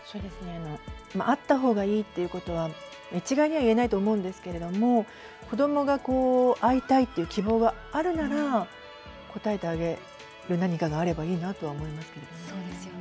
会った方がいいっていうことは一概にはいえないと思うんですが子どもが会いたいっていう希望があるなら応えて上げる何かがあればいいなと思いますけどね。